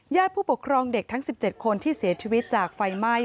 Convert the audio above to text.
ผู้ปกครองเด็กทั้ง๑๗คนที่เสียชีวิตจากไฟไหม้